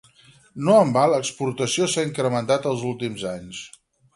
No en va l'exportació s'ha incrementat els últims anys.